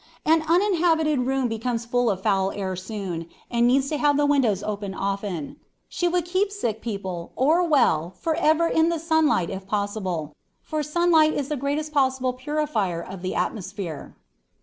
An uninhabited room becomes full of foul air soon, and needs to have the windows opened often. She would keep sick people, or well, forever in the sunlight if possible, for sunlight is the greatest possible purifier of the atmosphere.